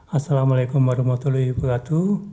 assalamualaikum warahmatullahi wabarakatuh